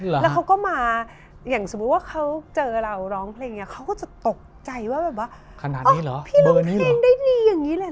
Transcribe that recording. แล้วเขาก็มาอย่างสมมุติว่าเขาเจอเราร้องเพลงอย่างนี้เขาก็จะตกใจว่าแบบว่าขนาดนี้เหรอเพลงได้ดีอย่างนี้เลย